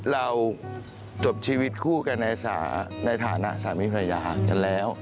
เราจบชีวิตคู่กันในฐานะสามีภรรยากันแล้ว